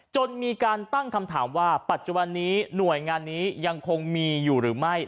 จนมีการตั้งคำถามว่าปัจจุบันนี้หน่วยงานนี้ยังคงมีอยู่หรือไม่